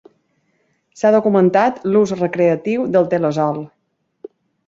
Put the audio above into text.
S'ha documentat l'ús recreatiu del Telazol.